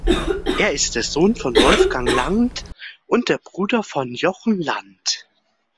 Er ist der Sohn von Wolfgang Land und der Bruder von Jochen Land.